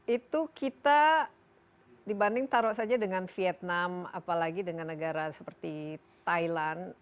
itu kita dibanding taruh saja dengan vietnam apalagi dengan negara seperti thailand